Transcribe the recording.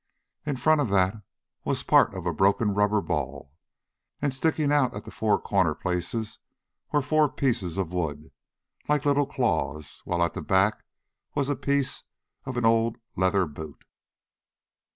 In front of that was part of a broken rubber ball, and sticking out at the four corner places were four pieces of wood, like little claws, while at the back was a piece of an old leather boot.